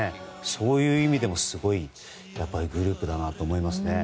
そういう意味でもすごいグループだなと思いますね。